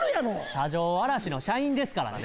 車上荒らしの社員ですからね